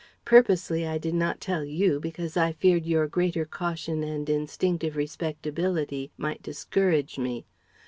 Purposely I did not tell you because I feared your greater caution and instinctive respectability might discourage me.